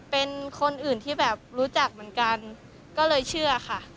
เป็นคนอื่นที่แบบรู้จักเหมือนกันก็เลยเชื่อค่ะ